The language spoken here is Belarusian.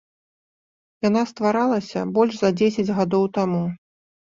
Яна стваралася больш за дзесяць гадоў таму.